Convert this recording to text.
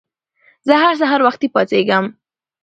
زه هر سهار وختي پاڅېږم.